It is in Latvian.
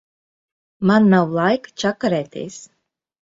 Man nav laika čakarēties.